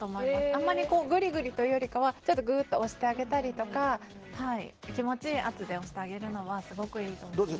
あまり、グリグリというよりかはグッと押してあげたりとか気持ちいい圧で押してあげるのはすごくいいと思います。